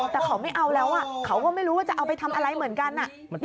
แต่เขาไม่เอาแล้วเขาก็ไม่รู้ว่าจะเอาไปทำอะไรเหมือนกัน